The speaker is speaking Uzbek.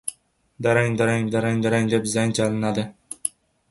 Darang-darang, darang-darang, deb zang chalinadi.